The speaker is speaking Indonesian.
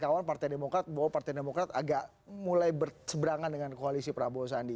kawan partai demokrat bahwa partai demokrat agak mulai berseberangan dengan koalisi prabowo sandi